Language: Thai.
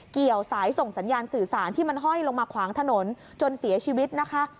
เกี่ยวสายส่งสัญญาณสื่อสารที่มันห้อยลงมาขวางถนนจนเสียชีวิตนะคะ